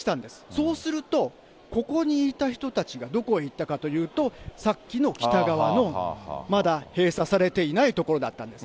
そうすると、ここにいた人たちがどこへ行ったかというと、さっきの北側のまだ閉鎖されていない所だったんです。